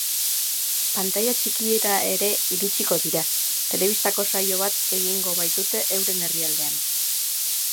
Pantaila txikira ere iritsiko dira, telebistako saio bat egingo baitute euren herrialdean.